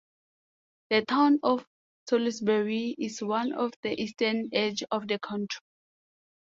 The Town of Salisbury is on the eastern edge of the county.